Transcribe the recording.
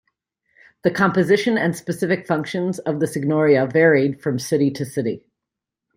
The composition and specific functions of the signoria varied from city to city.